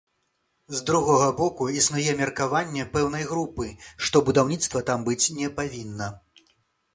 З другога боку, існуе меркаванне пэўнай групы, што будаўніцтва там быць не павінна.